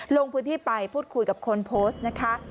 ลงพื้นที่ไปพูดคุยกับคนโพสต์นะคะ